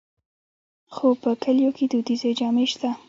خو په کلیو کې دودیزې جامې شته.